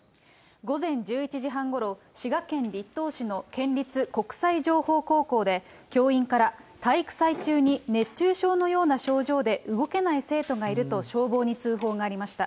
午前１１時半ごろ、滋賀県栗東市の県立国際情報高校で、教員から体育祭中に熱中症のような症状で動けない生徒がいると消防に通報がありました。